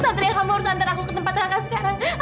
satria kamu harus antar aku ke tempat raka sekarang